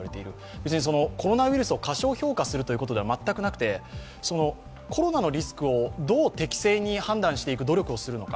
別にコロナウイルスを過小評価するということでは全くなくてコロナのリスクをどう適正に判断していく努力をするのか。